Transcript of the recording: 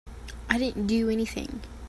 I didn't do anything.